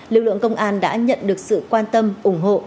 lực lượng công an đã nhận được sự quan tâm ủng hộ